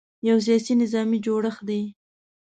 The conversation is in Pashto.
یو سیاسي – نظامي جوړښت دی.